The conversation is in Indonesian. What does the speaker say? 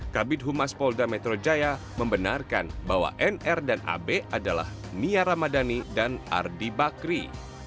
kabit humas polda metro jaya membenarkan bahwa nr dan ab adalah nia ramadhani dan ardi bakri